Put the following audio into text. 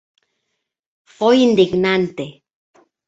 Foi indignante.